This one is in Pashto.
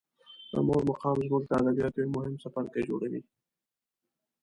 د مور مقام زموږ د ادبیاتو یو مهم څپرکی جوړوي.